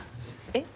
えっ？